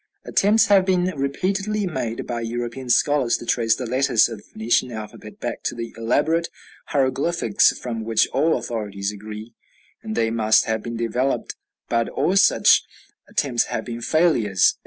Attempts have been repeatedly made by European scholars to trace the letters of the Phoenician alphabet back to the elaborate hieroglyphics from which all authorities agree they must have been developed, but all such attempts have been failures.